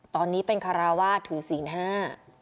ตอนนี้เป็นคาราวาสถือศีลห้า